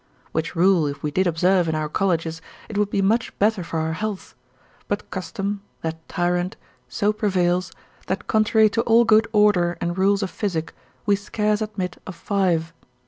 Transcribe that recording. Which rule if we did observe in our colleges, it would be much better for our healths: but custom, that tyrant, so prevails, that contrary to all good order and rules of physic, we scarce admit of five.